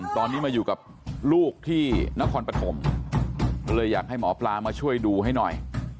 ตอนนี้มาอยู่กับลูกที่นครปฐมก็เลยอยากให้หมอปลามาช่วยดูให้หน่อย